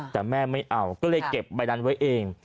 แต่แม่ไม่เอาก็เลยเก็บใบนั้นไว้เอง